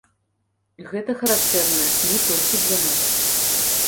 Гэта характэрна не толькі для нас.